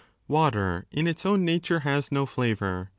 * Water in its own nature has no flavour.